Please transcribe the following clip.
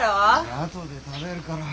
あとで食べるから。